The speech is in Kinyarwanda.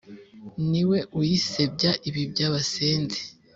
Ni we uyisebya ibi by'abasenzi